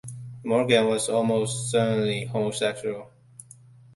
Morgan was "almost certainly homosexual".